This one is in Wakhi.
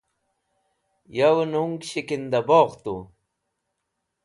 yow nung shikinda bogh tu